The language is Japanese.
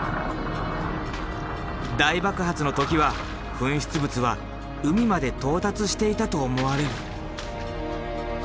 大爆発の時は噴出物は海まで到達していたと思われる。